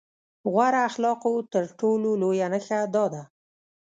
غوره اخلاقو تر ټولو لويه نښه دا ده.